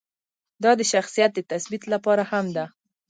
دا د شخصیت د تثبیت لپاره هم ده.